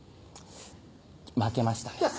負けましたね